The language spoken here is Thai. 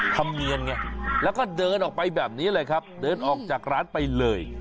ธรรมเนียนไงแล้วก็เดินออกไปแบบนี้เลยครับเดินออกจากร้านไปเลย